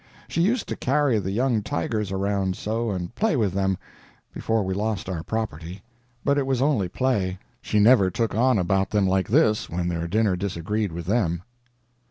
She used to carry the young tigers around so, and play with them, before we lost our property, but it was only play; she never took on about them like this when their dinner disagreed with them.